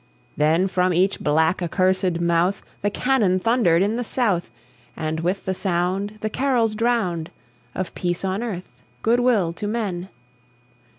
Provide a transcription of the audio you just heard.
Then from each black, accursed mouth The cannon thundered in the South, And with the sound The carols drowned Of peace on earth, good will to men!